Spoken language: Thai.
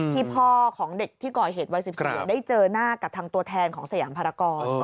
พ่อของเด็กที่ก่อเหตุวัย๑๔ได้เจอหน้ากับทางตัวแทนของสยามภารกร